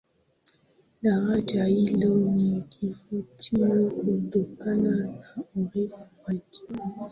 Daraja hilo ni kivutio kutokana na urefu wake